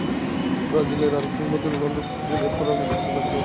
ব্রাজিলের আরেক কিংবদন্তি রোনালদোকে খুঁজে বের করার কৃতিত্বও তাঁকে দেওয়া হয়।